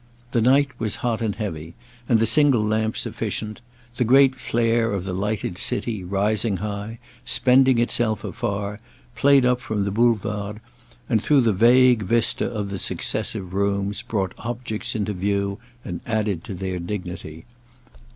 The night was hot and heavy and the single lamp sufficient; the great flare of the lighted city, rising high, spending itself afar, played up from the Boulevard and, through the vague vista of the successive rooms, brought objects into view and added to their dignity.